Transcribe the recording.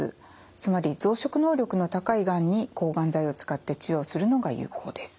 つまり増殖能力の高いがんに抗がん剤を使って治療するのが有効です。